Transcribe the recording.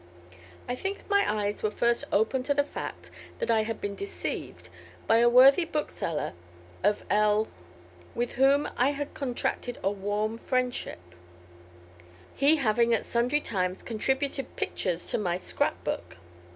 I think my eyes were first opened to the fact that I had been deceived by a worthy bookseller of L , with whom I had contracted a warm friendship, he having at sundry times contributed pictures to my scrapbook.